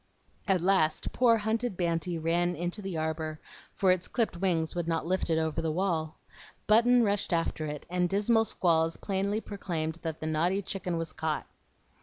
At last poor, hunted Banty ran into the arbor, for its clipped wings would not lift it over the wall. Button rushed after it, and dismal squalls plainly proclaimed that the naughty chicken was caught.